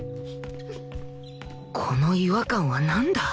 この違和感はなんだ？